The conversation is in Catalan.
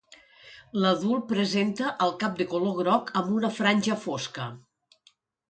L'adult presenta el cap de color groc amb una franja fosca.